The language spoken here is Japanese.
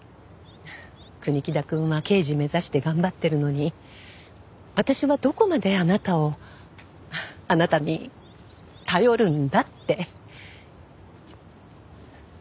国木田くんは刑事目指して頑張ってるのに私はどこまであなたをあなたに頼るんだって。